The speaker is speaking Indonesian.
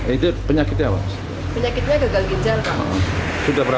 itu penyakitnya apa